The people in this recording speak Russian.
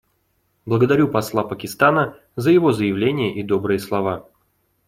Благодарю посла Пакистана за его заявление и добрые слова.